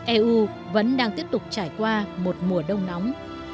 eu vẫn đang tiếp tục trải qua một mùa đông nóng